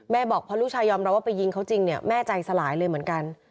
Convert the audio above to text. บอกเพราะลูกชายยอมรับว่าไปยิงเขาจริงเนี่ยแม่ใจสลายเลยเหมือนกัน